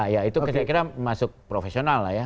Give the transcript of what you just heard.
ya itu saya kira masuk profesional lah ya